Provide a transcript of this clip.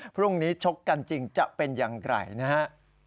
ชกกันจริงจะเป็นอย่างไรนะฮะ